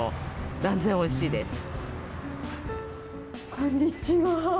こんにちは。